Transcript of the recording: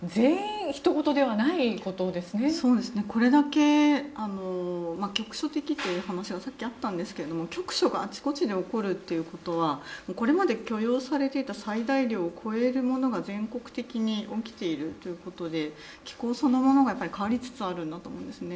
これだけ局所的という話はさっきあったんですが局所があちこちで起こるということはこれまで許容されていた最大量を超えるものが全国的に起きているということで気候そのものが変わりつつあるんだと思うんですね。